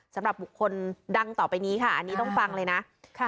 สำหรับบุคคลดังต่อไปนี้ค่ะอันนี้ต้องฟังเลยนะ